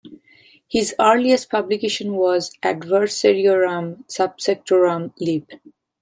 His earliest publication was Adversariorum subsectorum lib.